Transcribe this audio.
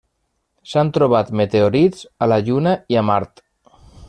S'han trobat meteorits a la Lluna i a Mart.